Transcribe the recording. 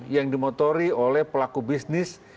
yang dimotori oleh pelaku bisnis